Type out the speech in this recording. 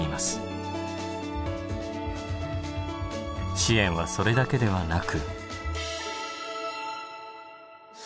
支援はそれだけではなく。